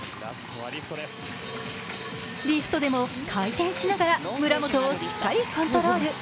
リフトでも回転しながら村元をしっかりコントロール。